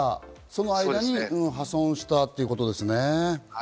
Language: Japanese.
その間に破損したということですね。